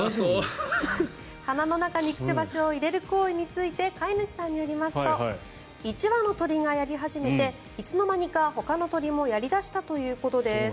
鼻の中にくちばしを入れる行為について飼い主さんによりますと１羽の鳥がやり始めていつの間にかほかの鳥もやり始めたということです。